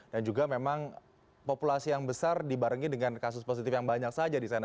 dan juga memang populasi yang besar dibarengi dengan kasus positif yang banyak saja di sana